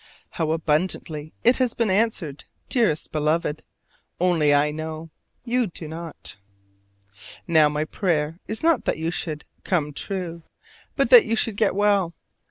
How abundantly it has been answered, dearest Beloved, only I know: you do not! Now my prayer is not that you should "come true," but that you should get well.